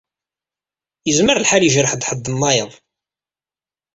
Yezmer lḥal ijreḥ-d ḥedd-nnayeḍ.